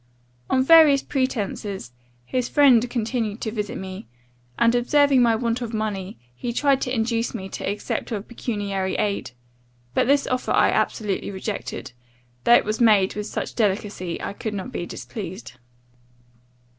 "On various pretences, his friend continued to visit me; and, observing my want of money, he tried to induce me to accept of pecuniary aid; but this offer I absolutely rejected, though it was made with such delicacy, I could not be displeased.